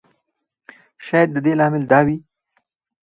شاید د دې لامل دا وي.